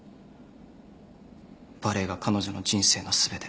バレエが彼女の人生の全て。